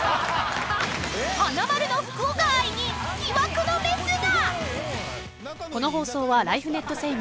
［華丸の福岡愛に疑惑のメスが！］